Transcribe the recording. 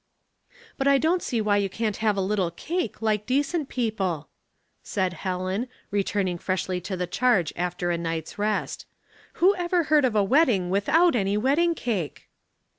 "But I don't see why you can't have a little cake, like decent people," said Helen, returning freshly to the charge after a night's rest. " Who ever heard of a wedding without any wedding cake?"